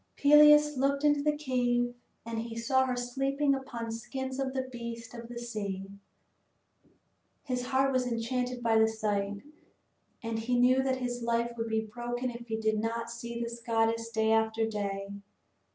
Peleus looked into the cave and he saw her sleeping upon skins of the beasts of the sea. His heart was enchanted by the sight, and he knew that his life would be broken if he did not see this goddess day after day.